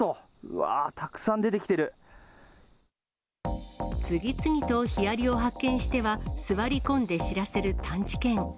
わー、たくさん出て次々とヒアリを発見しては、座り込んで知らせる探知犬。